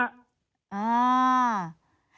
อ่า